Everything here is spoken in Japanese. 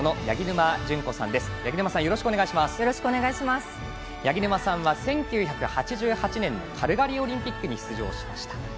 八木沼さんは１９８８年のカルガリーオリンピックに出場しました。